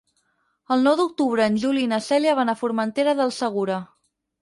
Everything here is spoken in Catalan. El nou d'octubre en Juli i na Cèlia van a Formentera del Segura.